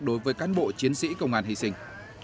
đối với cán bộ chiến sĩ công an hy sinh